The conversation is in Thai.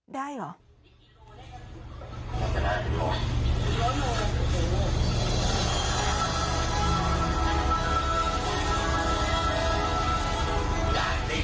ได้เหรอ